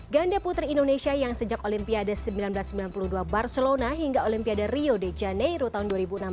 ganda putri indonesia yang sejak olimpiade seribu sembilan ratus sembilan puluh dua barcelona hingga olimpiade rio de janeiro tahun dua ribu enam belas